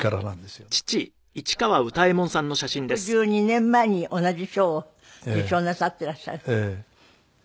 お父様も６２年前に同じ賞を受賞なさっていらっしゃる。